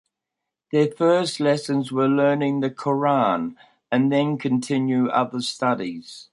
Their first lessons were learning the Quran and then continue other studies.